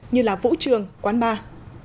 như là vũ trường quán bar